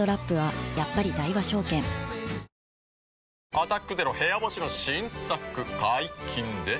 「アタックＺＥＲＯ部屋干し」の新作解禁です。